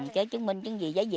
chứ chứng minh chứng gì